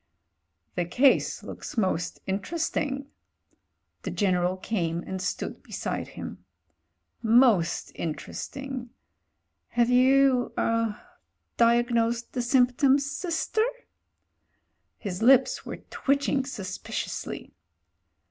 "The case looks most interesting." The General came and stood beside him. "Most interesting. Have JAMES HENRY 233 you— er — diagnosed the symptoms, sister?" His lips were twitching suspiciously.